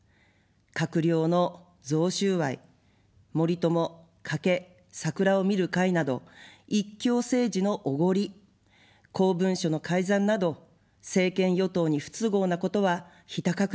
閣僚の贈収賄、森友・加計・桜を見る会など一強政治のおごり、公文書の改ざんなど政権与党に不都合なことはひた隠し。